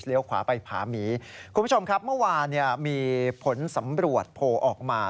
ขวาไปผาหมีคุณผู้ชมครับเมื่อวานเนี่ยมีผลสำรวจโผล่ออกมา